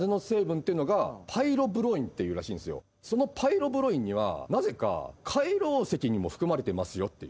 そのパイロブロインにはなぜか海楼石にも含まれてますよっていう。